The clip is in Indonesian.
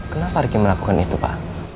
kenapa ricky melakukan itu pak